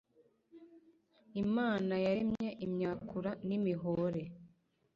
Imana yaremye imyakura nimihore